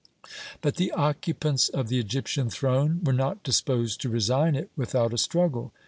"But the occupants of the Egyptian throne were not disposed to resign it without a struggle.